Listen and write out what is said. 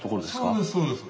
そうですそうです。